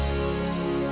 sampai jumpa lagi